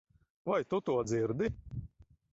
Vai tu to dzirdi?